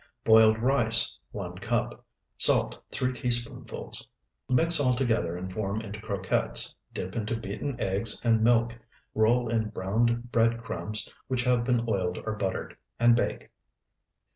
Boiled rice, 1 cup. Salt, 3 teaspoonfuls. Mix all together and form into croquettes; dip into beaten eggs and milk, roll in browned bread crumbs which have been oiled or buttered, and bake.